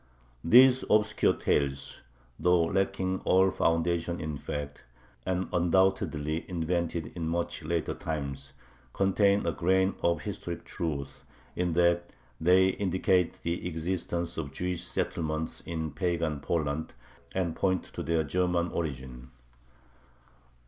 These obscure tales, though lacking all foundation in fact, and undoubtedly invented in much later times, contain a grain of historic truth, in that they indicate the existence of Jewish settlements in pagan Poland, and point to their German origin.